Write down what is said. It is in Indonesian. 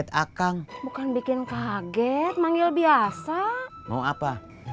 saya bukan main buat siapa